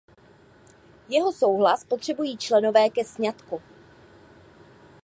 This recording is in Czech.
Jeho souhlas potřebují členové ke sňatku.